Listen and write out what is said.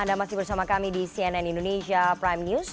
anda masih bersama kami di cnn indonesia prime news